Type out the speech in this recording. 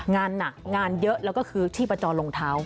งานหนักงานเยอะแล้วก็คือชีพจรรองเท้า